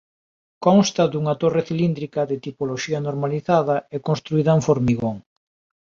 Consta dunha torre cilíndrica de tipoloxía normalizada e construída en formigón.